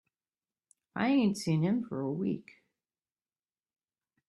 I ain't seen him for a week.